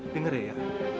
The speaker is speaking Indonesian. dengar ya ya